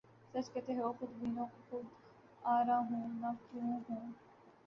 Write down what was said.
سچ کہتے ہو خودبین و خود آرا ہوں نہ کیوں ہوں